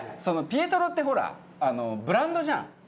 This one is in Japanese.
ピエトロってほらブランドじゃん。